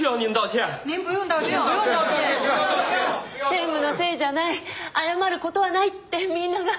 専務のせいじゃない謝る事はないってみんなが。